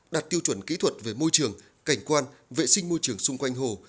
đạt tiêu chuẩn kỹ thuật về môi trường cảnh quan vệ sinh môi trường xung quanh hồ